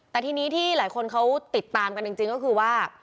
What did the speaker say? แต่ทีนี้ที่หลายคนเขาติดตามกันจริงก็คือว่า